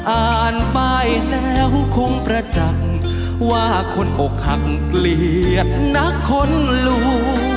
อ่านไปแล้วคงประจันทร์ว่าคนอกหักเกลียดนักคนรู้